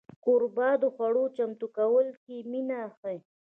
کوربه د خوړو چمتو کولو کې مینه ښيي.